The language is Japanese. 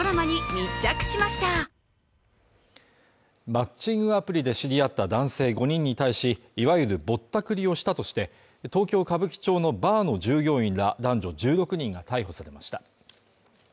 マッチングアプリで知り合った男性５人に対し、いわゆるぼったくりをしたとして東京・歌舞伎町のバーの従業員ら男女１６人が逮捕されました。